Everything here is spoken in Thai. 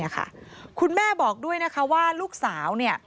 คุณแม่บอกด้วยว่าลูกสาว